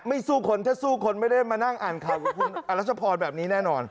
สู้คนถ้าสู้คนไม่ได้มานั่งอ่านข่าวกับคุณอรัชพรแบบนี้แน่นอน